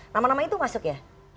nama nama itu masuk ya